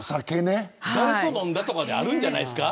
誰と飲んだとかあるんじゃないですか。